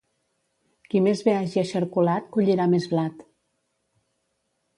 Qui més bé hagi eixarcolat collirà més blat.